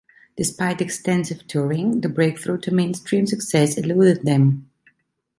Despite extensive touring, the breakthrough to mainstream success eluded them.